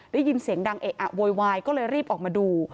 ได้ยินเสียงดังเอะอะโวยวายก็เลยรีบออกมาดู